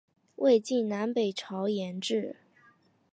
魏晋南北朝沿置。